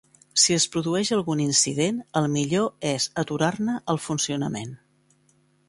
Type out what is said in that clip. Si es produeix algun incident, el millor és aturar-ne el funcionament.